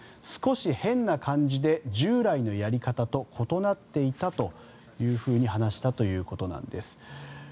少し変な感じで、従来のやり方と異なっていたというふうに話したということなんです。